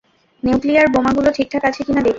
Nuclear বোমাগুলো ঠিকঠাক আছে কিনা দেখছি।